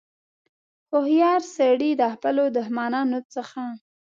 هوښیار سړي د خپلو دښمنانو څخه.